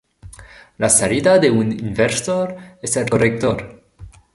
La salida de un inversor es el colector.